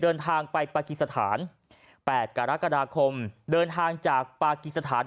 เดินทางไปปากีสถาน๘กรกฎาคมเดินทางจากปากีสถาน